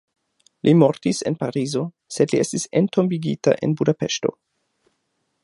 Li mortis en Parizo, sed li estis entombigita en Budapeŝto.